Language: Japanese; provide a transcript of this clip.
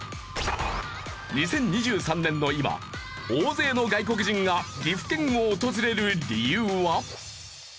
２０２３年の今大勢の外国人が岐阜県を訪れる理由は。